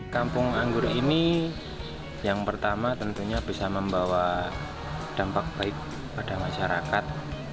kampung anggur ini yang pertama tentunya bisa membawa dampak baik pada masyarakat